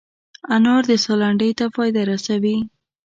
انار د ساه لنډۍ ته فایده رسوي.